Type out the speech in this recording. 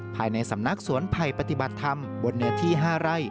ภายในสำนักสวนไผ่ปฏิบัติธรรมบนเนื้อที่๕ไร่